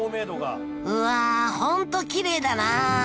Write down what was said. うわあホントきれいだなあ